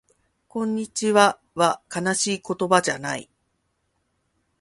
こんにちはは悲しい言葉じゃない